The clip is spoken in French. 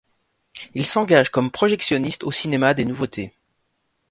Il s'engage comme projectionniste au cinéma des Nouveautés.